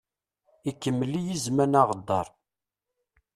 Ikemmel-iyi zman aɣeddaṛ.